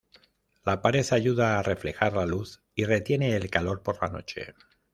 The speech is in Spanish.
La pared ayuda a reflejar la luz y retiene el calor por la noche.